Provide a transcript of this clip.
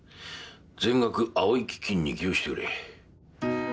全額青井基金に寄付してくれ。